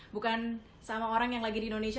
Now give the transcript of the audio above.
bukan sama orang yang lagi di indonesia